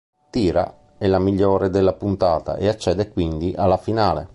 Tyra è la migliore della puntata e accede quindi alla finale.